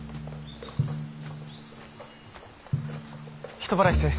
人払いせい。